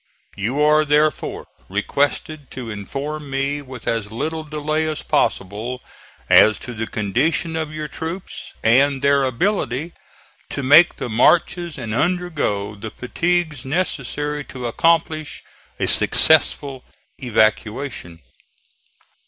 You are, therefore, requested to inform me with as little delay as possible, as to the condition of your troops and their ability to make the marches and undergo the fatigues necessary to accomplish a successful evacuation."